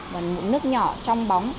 và mụn nước nhỏ trong bóng